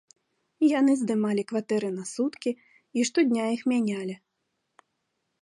Яны здымалі кватэры на суткі і штодня іх мянялі.